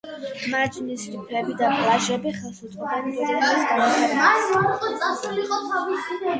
მარჯნის რიფები და პლაჟები ხელს უწყობენ ტურიზმის განვითარებას.